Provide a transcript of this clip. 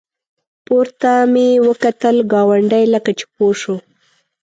پورته مې وکتلې ګاونډی لکه چې پوه شو.